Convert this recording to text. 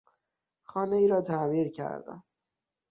خانهای را تعمیر کردن